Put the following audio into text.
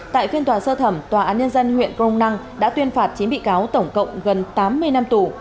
tại phiên tòa sơ thẩm tòa án nhân dân huyện crong năng đã tuyên phạt chín bị cáo tổng cộng gần tám mươi năm tù